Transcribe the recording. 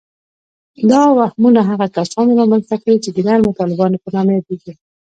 دا وهمونه هغو کسانو رامنځته کړي چې د نرمو طالبانو په نامه یادیږي